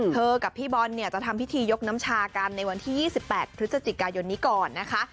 กับพี่บอลเนี่ยจะทำพิธียกน้ำชากันในวันที่๒๘พฤศจิกายนนี้ก่อนนะคะ